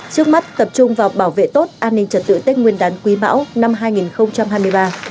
trước mắt tập trung vào bảo vệ tốt an ninh trật tự tết nguyên đán quý bão năm hai nghìn hai mươi ba